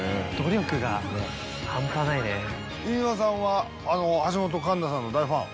飯沼さんは橋本環奈さんの大ファン？